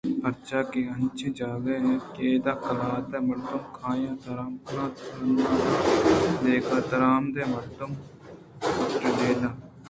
پرچاکہ اے انچیں جاگہے اَت کہ ادا قلاتءِ مردم کاینت آرام کن اَنت ءُنان وراَنت دگہ درآمدیں مردماں پُترگ ءَنیل اَنت